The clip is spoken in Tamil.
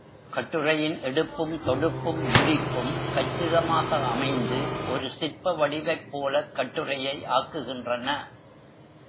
கட்டுரையின் எடுப்பும் தொடுப்பும் முடிப்பும் கச்சிதமாக அமைந்து ஒரு சிற்ப வடிவைப்போலக் கட்டுரையை ஆக்குகின்றன.